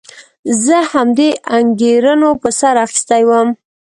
زه همدې انګېرنو په سر اخیستی وم.